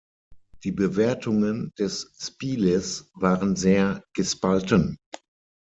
Die Bewertungen des Spieles waren sehr gespalten.